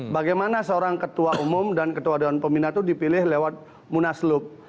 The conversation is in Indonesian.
bagaimana seorang ketua umum dan ketua dewan pembina itu dipilih lewat munaslup